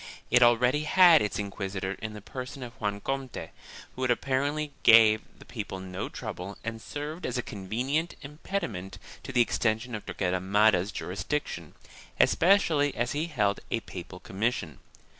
It already had its inquisitor in the person of Juan Comte, who apparently gave the people no trouble and served as a convenient impediment to the extension of Torquemada's jurisdiction, especially as he held a papal commission.